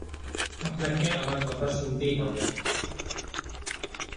আপনাকে আমার কথা শুনতেই হবে!